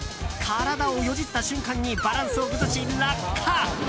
体をよじった瞬間にバランスを崩し、落下！